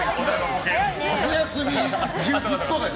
夏休み中ずっとだよ。